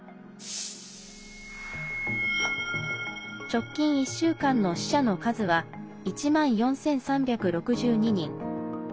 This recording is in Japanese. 直近１週間の死者の数は１万４３６２人。